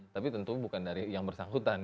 tapi tentu bukan dari yang bersangkutan